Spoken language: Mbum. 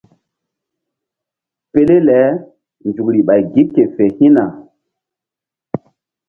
Pele le nzukri ɓay gi ke fe hi̧na.